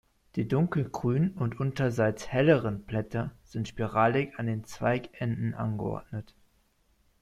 Die dunkelgrünen und unterseits helleren Blätter sind spiralig an den Zweigenden angeordnet.